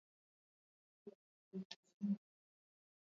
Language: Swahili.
Dalili ya ugonjwa wa kuoza kwato kwa ngombe